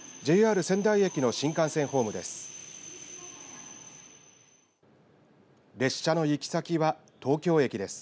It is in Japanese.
ＪＲ仙台駅の新幹線ホームです。